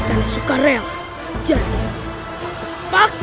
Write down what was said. dan kau bisa menghafal